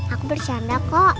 aku bersanda kok